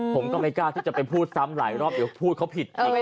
ผมก็ไม่กล้าที่จะไปพูดซ้ำหลายรอบเดี๋ยวพูดเขาผิดอีก